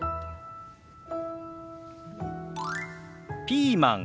「ピーマン」。